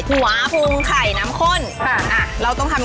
หัวภูมิไข่น้ำคล้นมา